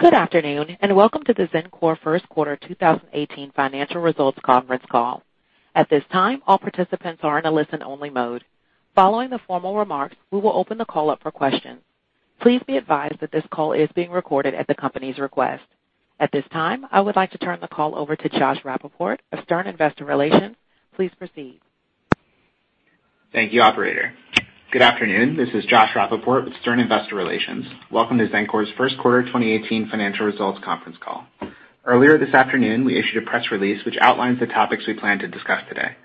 Good afternoon. Welcome to the Xencor First Quarter 2018 Financial Results Conference Call. At this time, all participants are in a listen-only mode. Following the formal remarks, we will open the call up for questions. Please be advised that this call is being recorded at the company's request. At this time, I would like to turn the call over to Josh Rappaport of Stern Investor Relations. Please proceed. Thank you, operator. Good afternoon. This is Josh Rappaport with Stern Investor Relations. Welcome to Xencor's First Quarter 2018 Financial Results Conference Call. Earlier this afternoon, we issued a press release which outlines the topics we plan to discuss today.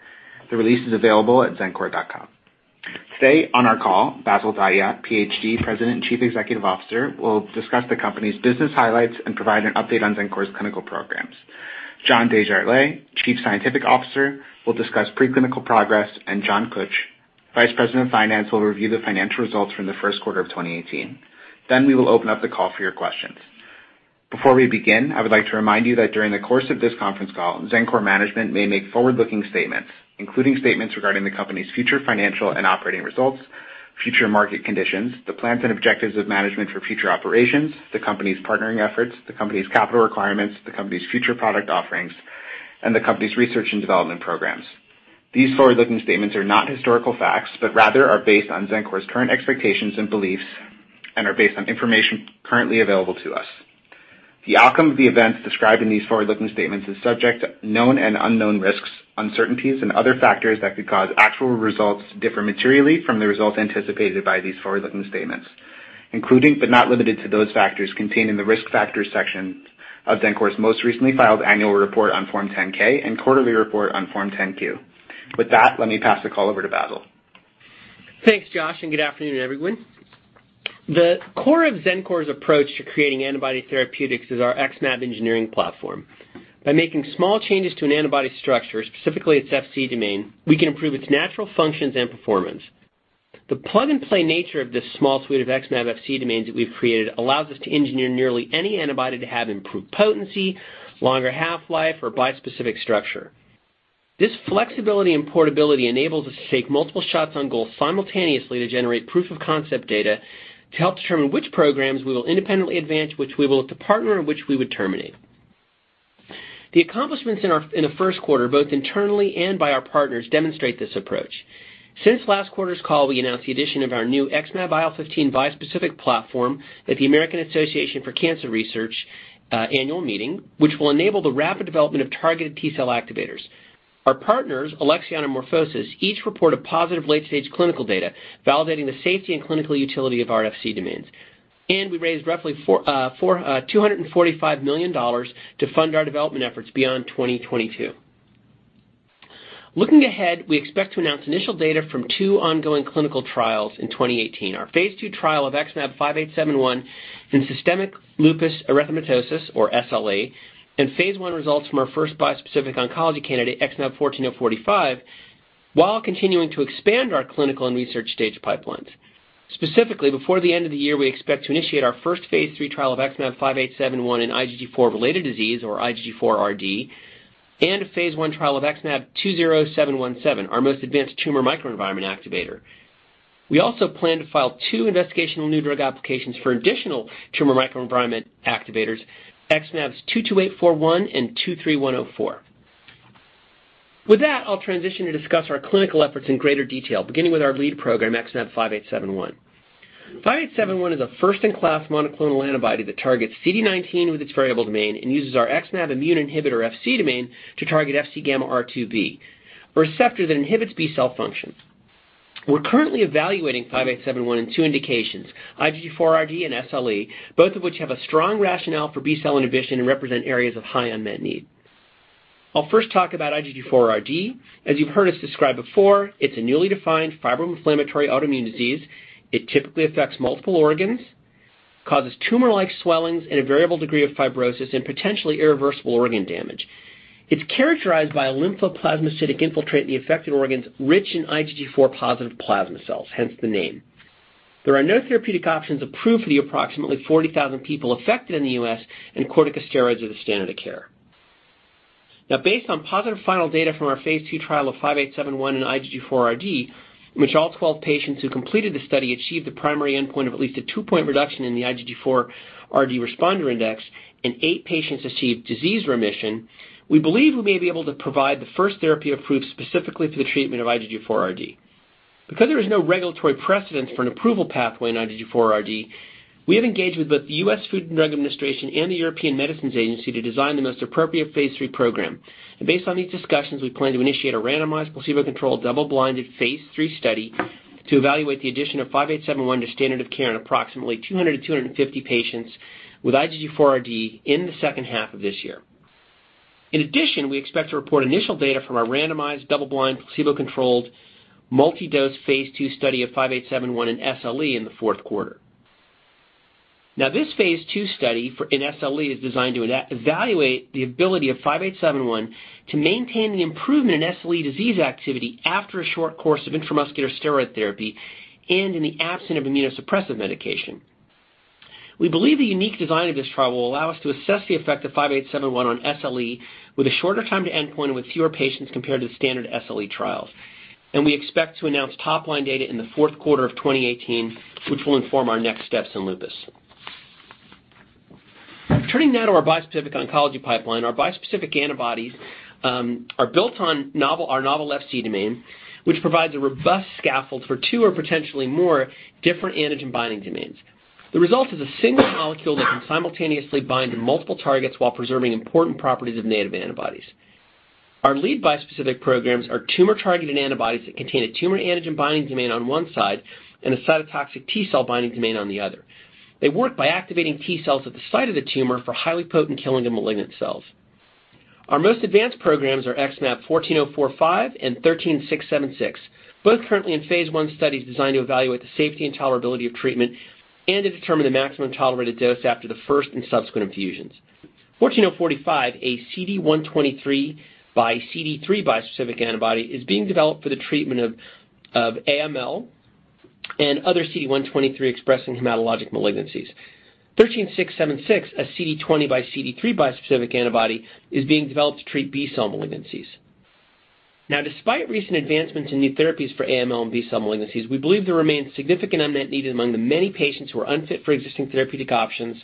The release is available at xencor.com. Today on our call, Bassil Dahiyat, Ph.D., President and Chief Executive Officer, will discuss the company's business highlights and provide an update on Xencor's clinical programs. John Desjarlais, Chief Scientific Officer, will discuss preclinical progress. John Kush, Vice President of Finance, will review the financial results from the first quarter of 2018. We will open up the call for your questions. Before we begin, I would like to remind you that during the course of this conference call, Xencor management may make forward-looking statements, including statements regarding the company's future financial and operating results, future market conditions, the plans and objectives of management for future operations, the company's partnering efforts, the company's capital requirements, the company's future product offerings, and the company's research and development programs. These forward-looking statements are not historical facts, but rather are based on Xencor's current expectations and beliefs and are based on information currently available to us. The outcome of the events described in these forward-looking statements is subject to known and unknown risks, uncertainties, and other factors that could cause actual results to differ materially from the results anticipated by these forward-looking statements, including, but not limited to, those factors contained in the Risk Factors section of Xencor's most recently filed annual report on Form 10-K and quarterly report on Form 10-Q. With that, let me pass the call over to Bassil. Thanks, Josh, and good afternoon, everyone. The core of Xencor's approach to creating antibody therapeutics is our XmAb engineering platform. By making small changes to an antibody structure, specifically its Fc domain, we can improve its natural functions and performance. The plug-and-play nature of this small suite of XmAb Fc domains that we've created allows us to engineer nearly any antibody to have improved potency, longer half-life, or bispecific structure. This flexibility and portability enables us to take multiple shots on goal simultaneously to generate proof of concept data to help determine which programs we will independently advance, which we will look to partner, and which we would terminate. The accomplishments in the first quarter, both internally and by our partners, demonstrate this approach. Since last quarter's call, we announced the addition of our new XmAb IL-15 bispecific platform at the American Association for Cancer Research annual meeting, which will enable the rapid development of targeted T-cell activators. Our partners, Alexion and MorphoSys, each report a positive late-stage clinical data validating the safety and clinical utility of our Fc domains. We raised roughly $245 million to fund our development efforts beyond 2022. Looking ahead, we expect to announce initial data from two ongoing clinical trials in 2018, our phase II trial of XmAb5871 in systemic lupus erythematosus, or SLE, and phase I results from our first bispecific oncology candidate, XmAb14045, while continuing to expand our clinical and research-stage pipelines. Specifically, before the end of the year, we expect to initiate our first phase III trial of XmAb5871 in IgG4-related disease, or IgG4-RD, and a phase I trial of XmAb20717, our most advanced tumor microenvironment activator. We also plan to file two investigational new drug applications for additional tumor microenvironment activators, XmAbs22841 and XmAb23104. With that, I'll transition to discuss our clinical efforts in greater detail, beginning with our lead program, XmAb5871. 5871 is a first-in-class monoclonal antibody that targets CD19 with its variable domain and uses our XmAb immune inhibitor Fc domain to target FcγRIIb, a receptor that inhibits B-cell function. We're currently evaluating 5871 in two indications, IgG4-RD and SLE, both of which have a strong rationale for B-cell inhibition and represent areas of high unmet need. I'll first talk about IgG4-RD. As you've heard us describe before, it's a newly defined fibroinflammatory autoimmune disease. It typically affects multiple organs, causes tumor-like swellings and a variable degree of fibrosis, and potentially irreversible organ damage. It's characterized by a lymphoplasmacytic infiltrate in the affected organs rich in IgG4-positive plasma cells, hence the name. There are no therapeutic options approved for the approximately 40,000 people affected in the U.S., and corticosteroids are the standard of care. Based on positive final data from our phase II trial of 5871 in IgG4-RD, in which all 12 patients who completed the study achieved the primary endpoint of at least a two-point reduction in the IgG4-RD Responder Index and eight patients achieved disease remission, we believe we may be able to provide the first therapy approved specifically for the treatment of IgG4-RD. Because there is no regulatory precedent for an approval pathway in IgG4-RD, we have engaged with both the U.S. Food and Drug Administration and the European Medicines Agency to design the most appropriate phase III program. Based on these discussions, we plan to initiate a randomized, placebo-controlled, double-blinded phase III study to evaluate the addition of 5871 to standard of care in approximately 200-250 patients with IgG4-RD in the second half of this year. In addition, we expect to report initial data from our randomized, double-blind, placebo-controlled, multi-dose phase II study of 5871 in SLE in the fourth quarter. This phase II study in SLE is designed to evaluate the ability of 5871 to maintain the improvement in SLE disease activity after a short course of intramuscular steroid therapy and in the absence of immunosuppressive medication. We believe the unique design of this trial will allow us to assess the effect of 5871 on SLE with a shorter time to endpoint and with fewer patients compared to standard SLE trials. We expect to announce top-line data in the fourth quarter of 2018, which will inform our next steps in lupus. Turning now to our bispecific oncology pipeline, our bispecific antibodies are built on our novel Fc domain, which provides a robust scaffold for two or potentially more different antigen binding domains. The result is a single molecule that can simultaneously bind to multiple targets while preserving important properties of native antibodies. Our lead bispecific programs are tumor-targeted antibodies that contain a tumor antigen binding domain on one side and a cytotoxic T cell binding domain on the other. They work by activating T cells at the site of the tumor for highly potent killing of malignant cells. Our most advanced programs are XmAb14045 and 13676, both currently in phase I studies designed to evaluate the safety and tolerability of treatment and to determine the maximum tolerated dose after the first and subsequent infusions. 14045, a CD123 by CD3 bispecific antibody, is being developed for the treatment of AML and other CD123-expressing hematologic malignancies. 13676, a CD20 by CD3 bispecific antibody, is being developed to treat B-cell malignancies. Despite recent advancements in new therapies for AML and B-cell malignancies, we believe there remains significant unmet need among the many patients who are unfit for existing therapeutic options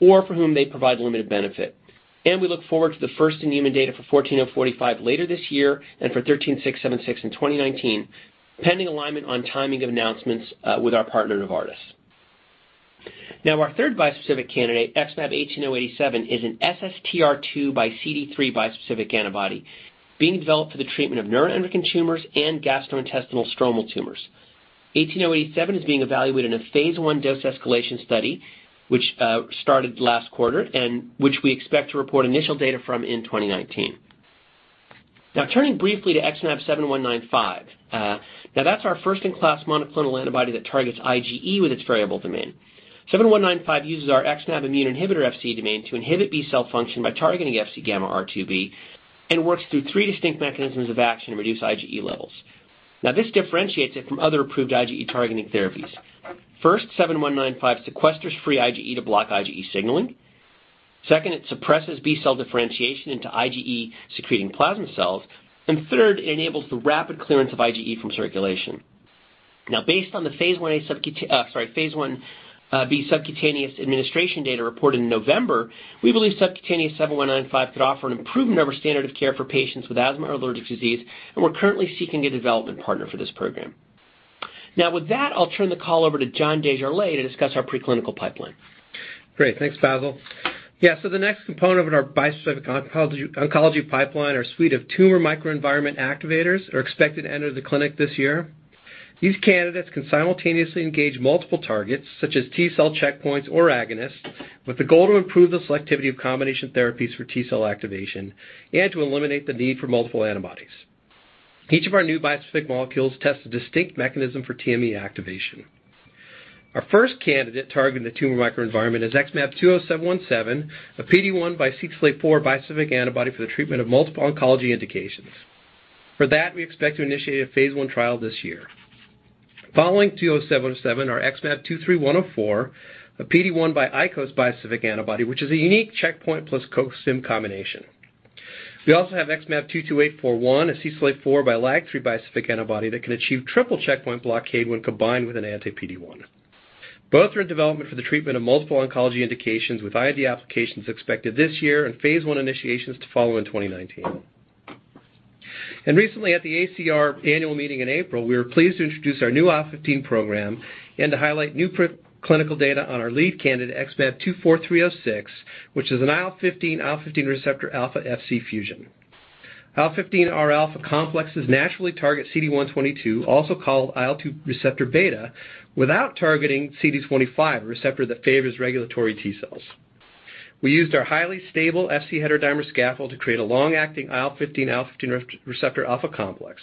or for whom they provide limited benefit. We look forward to the first in human data for 14045 later this year and for 13676 in 2019, pending alignment on timing of announcements with our partner, Novartis. Our third bispecific candidate, XmAb18087, is an SSTR2 by CD3 bispecific antibody being developed for the treatment of neuroendocrine tumors and gastrointestinal stromal tumors. 18087 is being evaluated in a phase I dose escalation study, which started last quarter and which we expect to report initial data from in 2019. Turning briefly to XmAb7195. That's our first-in-class monoclonal antibody that targets IgE with its variable domain. 7195 uses our XmAb immune inhibitor Fc domain to inhibit B-cell function by targeting FcγRIIb and works through three distinct mechanisms of action to reduce IgE levels. This differentiates it from other approved IgE targeting therapies. First, 7195 sequesters free IgE to block IgE signaling. Second, it suppresses B cell differentiation into IgE-secreting plasma cells. Third, it enables the rapid clearance of IgE from circulation. Based on the phase I-B subcutaneous administration data reported in November, we believe subcutaneous 7195 could offer an improvement over standard of care for patients with asthma or allergic disease, and we're currently seeking a development partner for this program. With that, I'll turn the call over to John Desjarlais to discuss our preclinical pipeline. Great. Thanks, Bassil. The next component of our bispecific oncology pipeline are a suite of tumor microenvironment activators are expected to enter the clinic this year. These candidates can simultaneously engage multiple targets, such as T cell checkpoints or agonists, with the goal to improve the selectivity of combination therapies for T cell activation and to eliminate the need for multiple antibodies. Each of our new bispecific molecules tests a distinct mechanism for TME activation. Our first candidate targeting the tumor microenvironment is XmAb20717, a PD-1 by CTLA-4 bispecific antibody for the treatment of multiple oncology indications. We expect to initiate a phase I trial this year. Following 20717 are XmAb23104, a PD-1 by ICOS bispecific antibody, which is a unique checkpoint plus co-stim combination. We also have XmAb22841, a CTLA-4 by LAG-3 bispecific antibody that can achieve triple checkpoint blockade when combined with an anti-PD-1. Both are in development for the treatment of multiple oncology indications, with IND applications expected this year and phase I initiations to follow in 2019. Recently at the AACR annual meeting in April, we were pleased to introduce our new IL-15 program and to highlight new preclinical data on our lead candidate, XmAb24306, which is an IL-15/IL-15 receptor alpha Fc fusion. IL-15Rα complexes naturally target CD122, also called IL-2 receptor beta, without targeting CD25, a receptor that favors regulatory T cells. We used our highly stable Fc heterodimer scaffold to create a long-acting IL-15/IL-15 receptor alpha complex.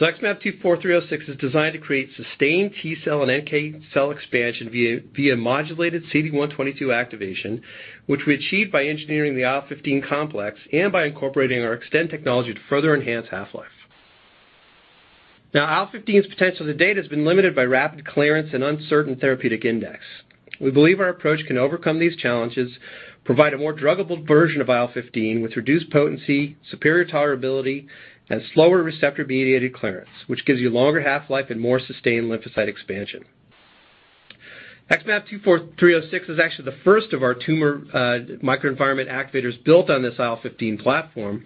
XmAb24306 is designed to create sustained T cell and NK cell expansion via modulated CD122 activation, which we achieved by engineering the IL-15 complex and by incorporating our Xtend technology to further enhance half-life. IL-15's potential to date has been limited by rapid clearance and uncertain therapeutic index. We believe our approach can overcome these challenges, provide a more druggable version of IL-15 with reduced potency, superior tolerability, and slower receptor-mediated clearance, which gives you longer half-life and more sustained lymphocyte expansion. XmAb24306 is actually the first of our tumor microenvironment activators built on this IL-15 platform.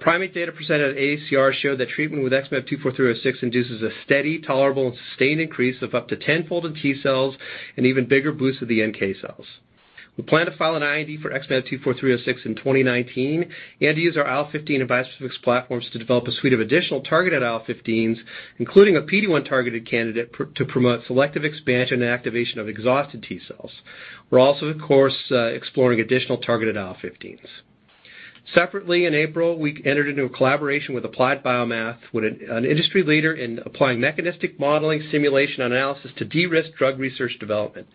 Primate data presented at AACR showed that treatment with XmAb24306 induces a steady, tolerable, and sustained increase of up to tenfold in T cells and even bigger boosts of the NK cells. We plan to file an IND for XmAb24306 in 2019 and to use our IL-15 and bispecifics platforms to develop a suite of additional targeted IL-15s, including a PD-1-targeted candidate to promote selective expansion and activation of exhausted T cells. We're also, of course, exploring additional targeted IL-15s. Separately, in April, we entered into a collaboration with Applied BioMath, an industry leader in applying mechanistic modeling simulation analysis to de-risk drug research development.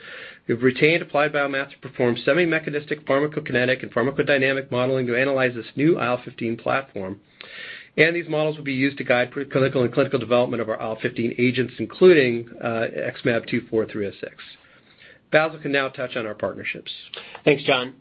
We've retained Applied BioMath to perform semi-mechanistic pharmacokinetic and pharmacodynamic modeling to analyze this new IL-15 platform. These models will be used to guide preclinical and clinical development of our IL-15 agents, including XmAb24306 Bassil can now touch on our partnerships. Thanks, John.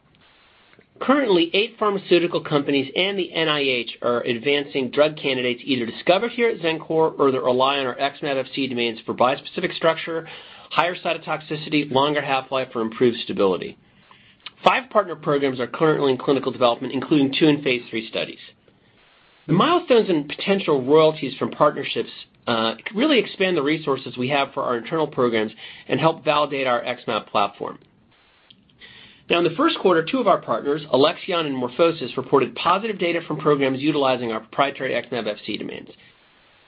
Currently, eight pharmaceutical companies and the NIH are advancing drug candidates either discovered here at Xencor or that rely on our XmAb Fc domains for bispecific structure, higher cytotoxicity, longer half-life or improved stability. Five partner programs are currently in clinical development, including two in phase III studies. In the first quarter, two of our partners, Alexion and MorphoSys, reported positive data from programs utilizing our proprietary XmAb Fc domains.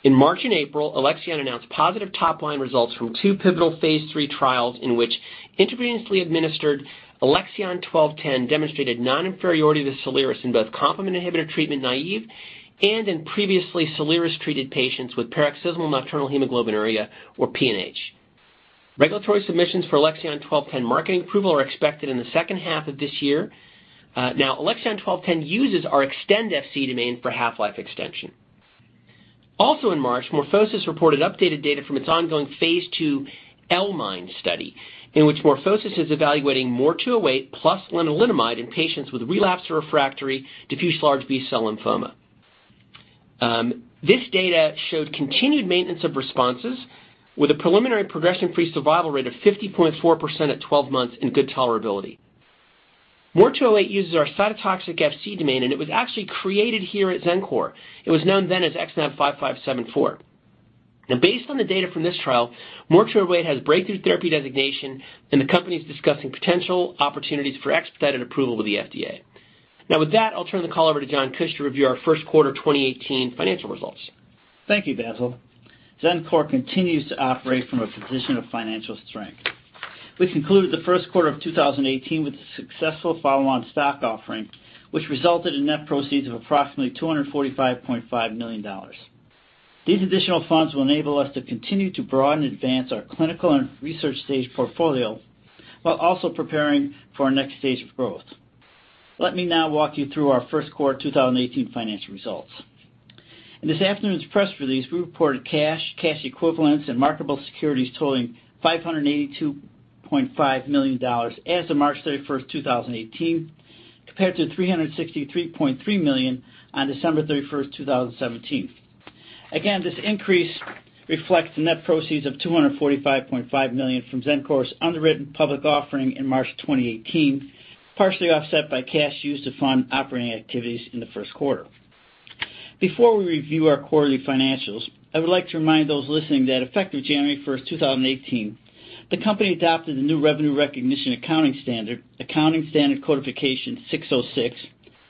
In March and April, Alexion announced positive top-line results from two pivotal phase III trials in which intravenously administered ALXN1210 demonstrated non-inferiority to SOLIRIS in both complement inhibitor treatment naive and in previously SOLIRIS-treated patients with paroxysmal nocturnal hemoglobinuria, or PNH. Regulatory submissions for ALXN1210 marketing approval are expected in the second half of this year. ALXN1210 uses our Xtend Fc domain for half-life extension. Also in March, MorphoSys reported updated data from its ongoing phase II L-MIND study, in which MorphoSys is evaluating MOR208 plus lenalidomide in patients with relapsed or refractory diffuse large B-cell lymphoma. This data showed continued maintenance of responses with a preliminary progression-free survival rate of 50.4% at 12 months in good tolerability. MOR208 uses our cytotoxic Fc domain, and it was actually created here at Xencor. It was known then as XmAb5574. Based on the data from this trial, MOR208 has breakthrough therapy designation, and the company's discussing potential opportunities for expedited approval with the FDA. With that, I'll turn the call over to John Kush to review our first quarter 2018 financial results. Thank you, Bassil. Xencor continues to operate from a position of financial strength. We concluded the first quarter of 2018 with a successful follow-on stock offering, which resulted in net proceeds of approximately $245.5 million. These additional funds will enable us to continue to broaden and advance our clinical and research stage portfolio while also preparing for our next stage of growth. Let me now walk you through our first quarter 2018 financial results. In this afternoon's press release, we reported cash equivalents, and marketable securities totaling $582.5 million as of March 31st, 2018, compared to $363.3 million on December 31st, 2017. Again, this increase reflects the net proceeds of $245.5 million from Xencor's underwritten public offering in March 2018, partially offset by cash used to fund operating activities in the first quarter. Before we review our quarterly financials, I would like to remind those listening that effective January 1st, 2018, the company adopted a new revenue recognition accounting standard, Accounting Standard Codification 606,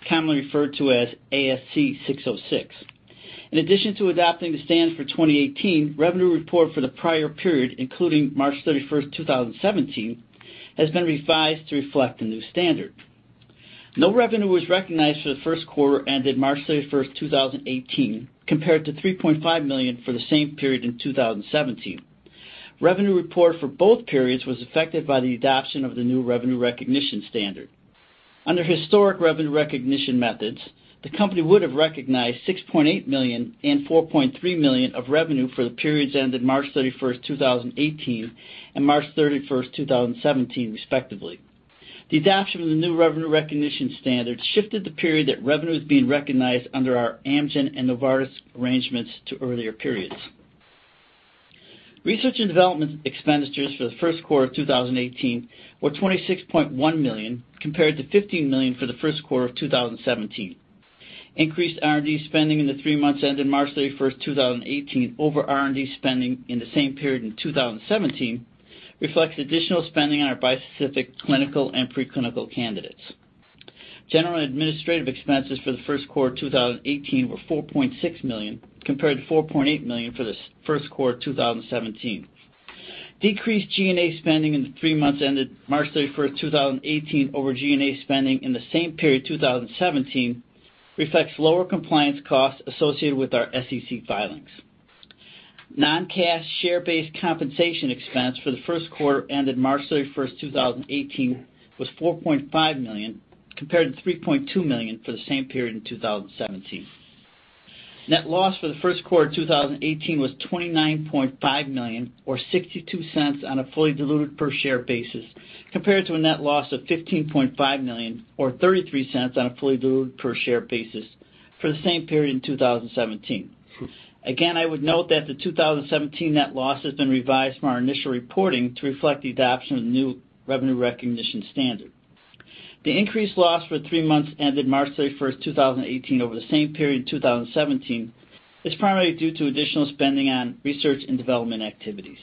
commonly referred to as ASC 606. In addition to adopting the standard for 2018, revenue report for the prior period, including March 31st, 2017, has been revised to reflect the new standard. No revenue was recognized for the first quarter ended March 31st, 2018, compared to $3.5 million for the same period in 2017. Revenue report for both periods was affected by the adoption of the new revenue recognition standard. Under historic revenue recognition methods, the company would have recognized $6.8 million and $4.3 million of revenue for the periods ended March 31st, 2018 and March 31st, 2017, respectively. The adoption of the new revenue recognition standard shifted the period that revenue is being recognized under our Amgen and Novartis arrangements to earlier periods. Research and development expenditures for the first quarter of 2018 were $26.1 million, compared to $15 million for the first quarter of 2017. Increased R&D spending in the three months ended March 31st, 2018, over R&D spending in the same period in 2017 reflects additional spending on our bispecific clinical and preclinical candidates. General and administrative expenses for the first quarter 2018 were $4.6 million, compared to $4.8 million for the first quarter 2017. Decreased G&A spending in the three months ended March 31st, 2018, over G&A spending in the same period 2017 reflects lower compliance costs associated with our SEC filings. Non-cash share-based compensation expense for the first quarter ended March 31st, 2018, was $4.5 million, compared to $3.2 million for the same period in 2017. Net loss for the first quarter 2018 was $29.5 million or $0.62 on a fully diluted per share basis, compared to a net loss of $15.5 million or $0.33 on a fully diluted per share basis for the same period in 2017. I would note that the 2017 net loss has been revised from our initial reporting to reflect the adoption of the new revenue recognition standard. The increased loss for the three months ended March 31st, 2018, over the same period in 2017 is primarily due to additional spending on research and development activities.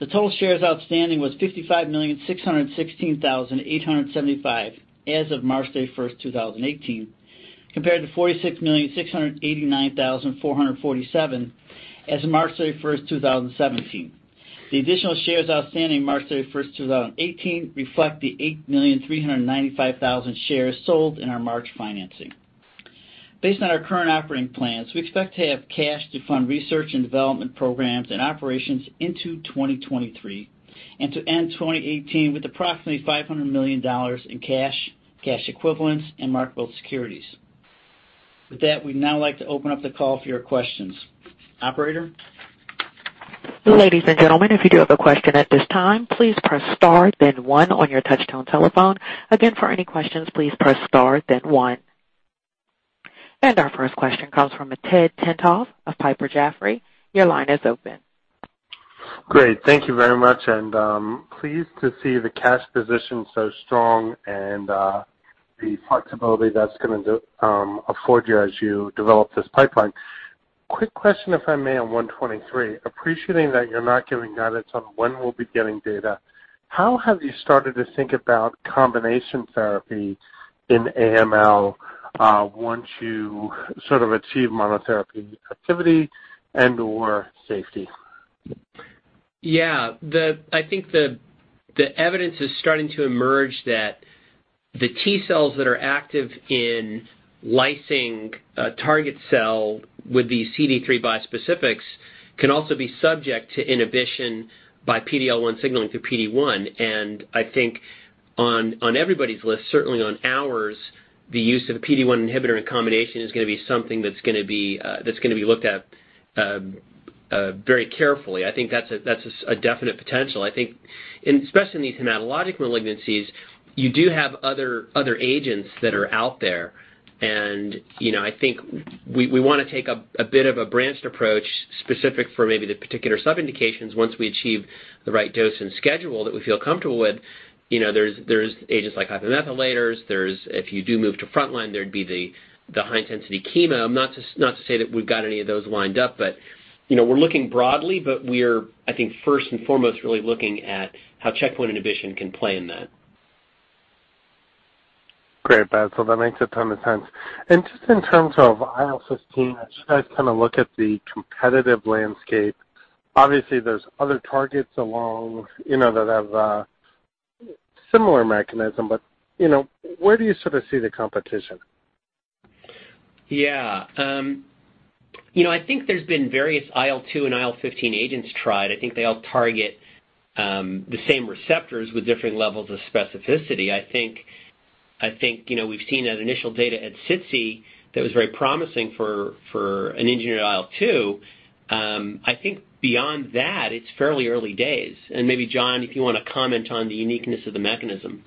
The total shares outstanding was 55,616,875 as of March 31st, 2018, compared to 46,689,447 as of March 31st, 2017. The additional shares outstanding March 31st, 2018, reflect the 8,395,000 shares sold in our March financing. Based on our current operating plans, we expect to have cash to fund research and development programs and operations into 2023 and to end 2018 with approximately $500 million in cash equivalents, and marketable securities. With that, we'd now like to open up the call for your questions. Operator? Ladies and gentlemen, if you do have a question at this time, please press star, then one on your touchtone telephone. Again, for any questions, please press star, then one. Our first question comes from Ted Tenthoff of Piper Jaffray. Your line is open. Great. Thank you very much. Pleased to see the cash position so strong and the flexibility that's going to afford you as you develop this pipeline. Quick question, if I may, on 123. Appreciating that you're not giving guidance on when we'll be getting data, how have you started to think about combination therapy in AML once you achieve monotherapy activity and/or safety? Yeah. I think the evidence is starting to emerge that the T cells that are active in lysing a target cell with these CD3 bispecifics can also be subject to inhibition by PD-L1 signaling through PD-1. I think on everybody's list, certainly on ours, the use of a PD-1 inhibitor in combination is going to be something that's going to be looked at very carefully. I think that's a definite potential. I think, especially in these hematologic malignancies, you do have other agents that are out there, and I think we want to take a bit of a branched approach specific for maybe the particular sub-indications once we achieve the right dose and schedule that we feel comfortable with. There's agents like hypomethylators. If you do move to frontline, there'd be the high-intensity chemo. Not to say that we've got any of those lined up, but we're looking broadly, but we're, I think, first and foremost, really looking at how checkpoint inhibition can play in that. Great, Bassil. That makes a ton of sense. Just in terms of IL-15, I kind of look at the competitive landscape. Obviously, there's other targets along that have a similar mechanism, but where do you sort of see the competition? I think there's been various IL-2 and IL-15 agents tried. I think they all target the same receptors with different levels of specificity. I think we've seen that initial data at SITC that was very promising for an engineered IL-2. I think beyond that, it's fairly early days. Maybe John, if you want to comment on the uniqueness of the mechanism.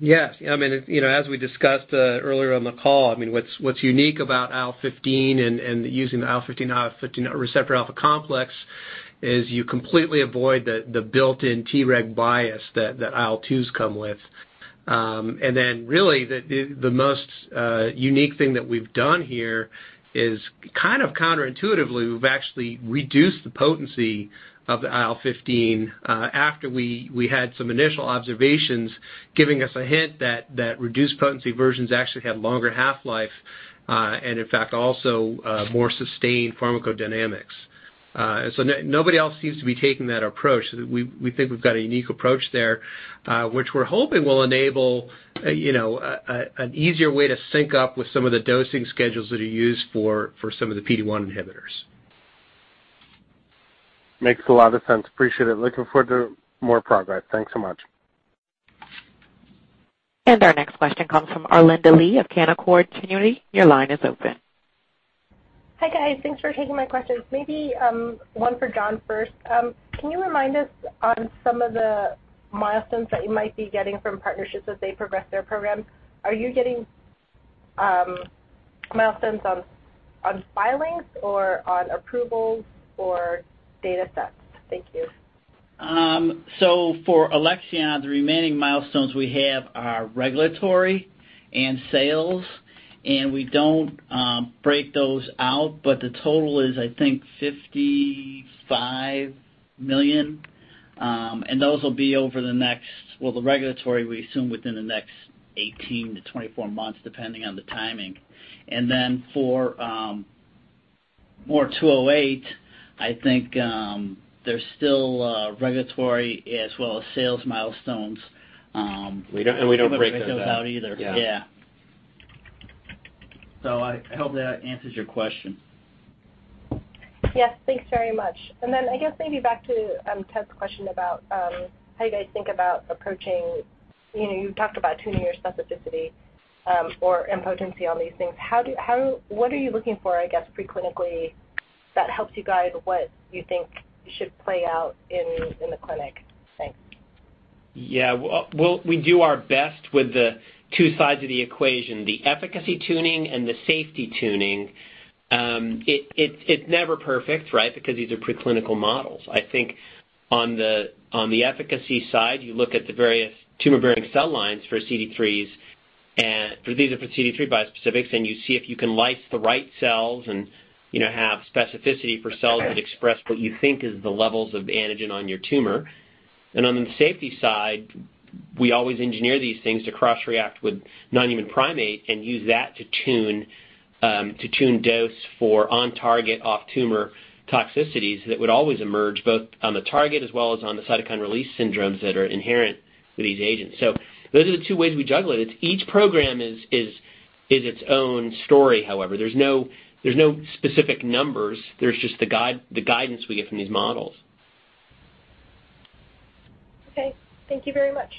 As we discussed earlier on the call, what's unique about IL-15 and using the IL-15 receptor alpha complex is you completely avoid the built-in T reg bias that IL-2s come with. Really, the most unique thing that we've done here is kind of counterintuitively, we've actually reduced the potency of the IL-15 after we had some initial observations giving us a hint that reduced potency versions actually had longer half-life and, in fact, also more sustained pharmacodynamics. So nobody else seems to be taking that approach. We think we've got a unique approach there which we're hoping will enable an easier way to sync up with some of the dosing schedules that are used for some of the PD-1 inhibitors. Makes a lot of sense. Appreciate it. Looking forward to more progress. Thanks so much. Our next question comes from Arlinda Lee of Canaccord Genuity. Your line is open. Hi, guys. Thanks for taking my questions. Maybe one for John first. Can you remind us on some of the milestones that you might be getting from partnerships as they progress their programs? Are you getting milestones on filings or on approvals or data sets? Thank you. For Alexion, the remaining milestones we have are regulatory and sales, we don't break those out. The total is, I think, $55 million. Those will be over the next Well, the regulatory, we assume within the next 18-24 months, depending on the timing. For MOR208, I think there's still regulatory as well as sales milestones. we don't break those out. We don't break those out either. Yeah. Yeah. I hope that answers your question. Yes. Thanks very much. I guess maybe back to Ted's question about how you guys think about approaching You talked about tuning your specificity and potency on these things. What are you looking for, I guess, pre-clinically that helps you guide what you think should play out in the clinic? Thanks. Yeah. Well, we do our best with the two sides of the equation, the efficacy tuning and the safety tuning. It's never perfect, right? Because these are pre-clinical models. I think on the efficacy side, you look at the various tumor-bearing cell lines for CD3s, and these are for CD3 bispecifics, and you see if you can lyse the right cells and have specificity for cells that express what you think is the levels of antigen on your tumor. On the safety side, we always engineer these things to cross-react with non-human primate and use that to tune dose for on-target off-tumor toxicities that would always emerge both on the target as well as on the cytokine release syndromes that are inherent to these agents. Those are the two ways we juggle it. Each program is its own story, however. There's no specific numbers. There's just the guidance we get from these models. Okay. Thank you very much.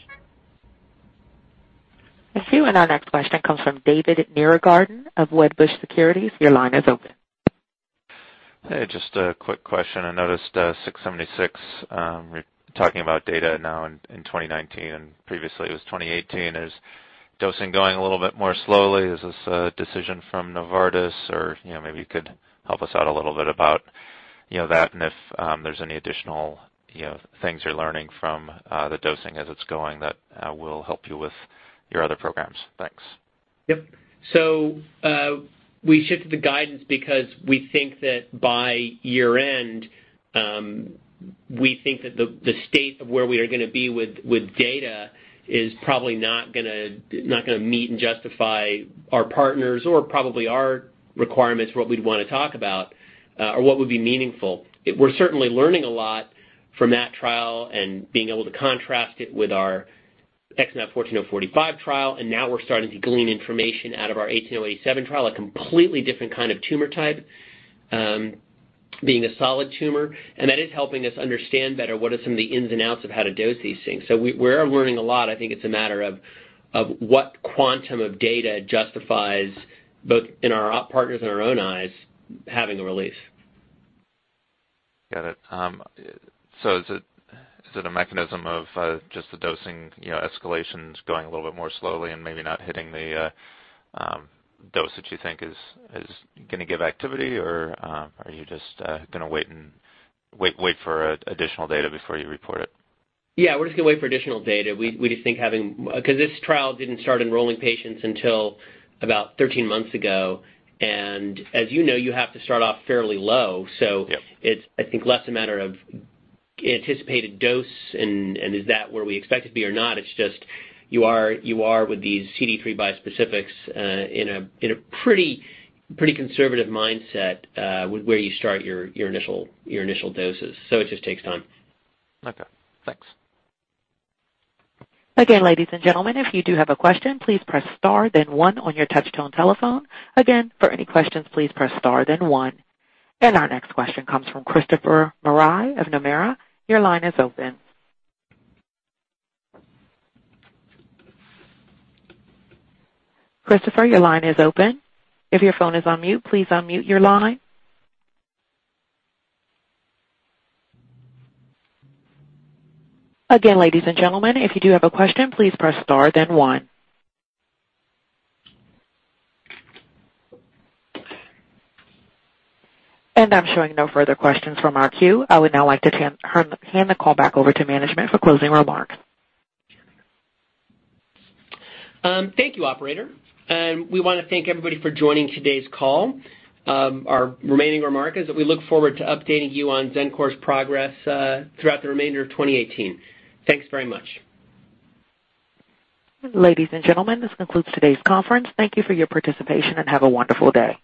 Thank you. Our next question comes from David Nierengarten of Wedbush Securities. Your line is open. Hey, just a quick question. I noticed 676, talking about data now in 2019 and previously it was 2018. Is dosing going a little bit more slowly? Is this a decision from Novartis or maybe you could help us out a little bit about that and if there's any additional things you're learning from the dosing as it's going that will help you with your other programs. Thanks. Yep. We shifted the guidance because we think that by year end, we think that the state of where we are going to be with data is probably not going to meet and justify our partners or probably our requirements for what we'd want to talk about, or what would be meaningful. We're certainly learning a lot from that trial and being able to contrast it with our XmAb14045 trial, and now we're starting to glean information out of our XmAb18087 trial, a completely different kind of tumor type, being a solid tumor. That is helping us understand better what are some of the ins and outs of how to dose these things. We are learning a lot. I think it's a matter of what quantum of data justifies, both in our partners' and our own eyes, having a release. Got it. Is it a mechanism of just the dosing escalations going a little bit more slowly and maybe not hitting the dosage you think is going to give activity, or are you just going to wait for additional data before you report it? Yeah, we're just going to wait for additional data. This trial didn't start enrolling patients until about 13 months ago. As you know, you have to start off fairly low. Yep. It's, I think, less a matter of anticipated dose and is that where we expect it to be or not. It's just you are with these CD3 bispecifics in a pretty conservative mindset, where you start your initial doses. It just takes time. Okay, thanks. Again, ladies and gentlemen, if you do have a question, please press star then one on your touch-tone telephone. Again, for any questions, please press star then one. Our next question comes from Christopher Marai of Nomura. Your line is open. Christopher, your line is open. If your phone is on mute, please unmute your line. Again, ladies and gentlemen, if you do have a question, please press star then one. I'm showing no further questions from our queue. I would now like to hand the call back over to management for closing remarks. Thank you, operator. We want to thank everybody for joining today's call. Our remaining remark is that we look forward to updating you on Xencor's progress throughout the remainder of 2018. Thanks very much. Ladies and gentlemen, this concludes today's conference. Thank you for your participation. Have a wonderful day.